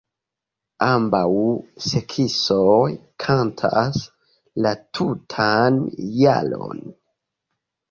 Ambaŭ seksoj kantas la tutan jaron.